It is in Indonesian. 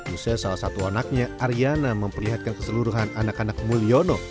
usai salah satu anaknya ariana memperlihatkan keseluruhan anak anak mulyono